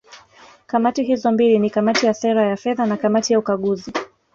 Kamati hizo mbili ni Kamati ya Sera ya Fedha na Kamati ya Ukaguzi